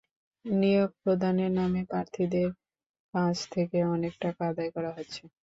নিয়োগ প্রদানের নামে প্রার্থীদের কাছ থেকে অনেক টাকা আদায় করা হচ্ছে।